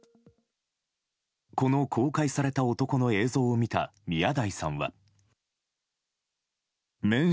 この公開された男の映像を見た宮台さんは。